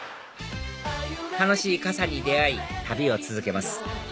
楽しい傘に出会い旅を続けます